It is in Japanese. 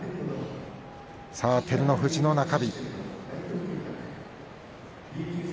照ノ富士の中日。